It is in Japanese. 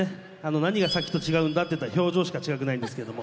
何がさっきと違うんだといったら表情しか違くないんですけども。